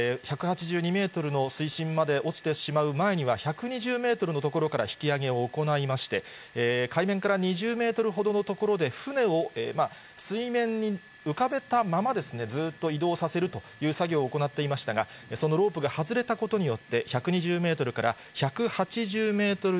１８２メートルの水深まで落ちてしまう前には、１２０メートルの所から引き揚げを行いまして、海面から２０メートルほどの所で、船を水面に浮かべたまま、ずーっと移動させるという作業を行っていましたが、そのロープが外れたことによって、１２０メートルから１８０メートル